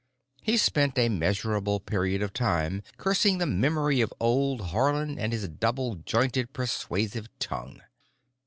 He spent a measurable period of time cursing the memory of old Haarland and his double jointed, persuasive tongue.